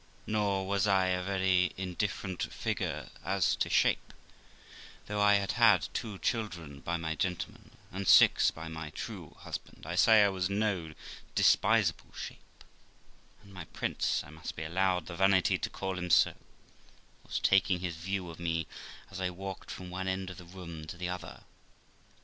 Nor was I a very indifferent figure as to shape ; though I had had two children by my gentleman, and six by my true husband, I say I was no 236 THE LIFE OF ROXANA despisable shape; and my prince (I must be allowed the vanity to call him so) was taking his view of me as I walked from one end of the room to the other.